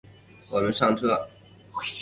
我们上车